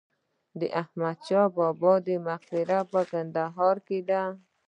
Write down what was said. د احمد شاه بابا مقبره په کندهار کې ده